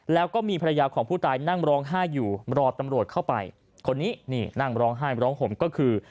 แล้วก็มีภรรยาของผู้ตายนั่งร้องไห้อยู่รอตำรวจเข้าไปคนนี้นี่นั่งร้องไห้ร้องห่มก็คือ